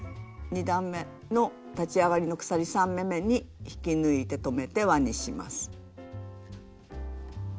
２段めの立ち上がりの鎖３目めに引き抜いて止めて輪にします。